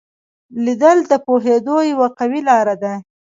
لیدل د پوهېدو یوه قوي لار ده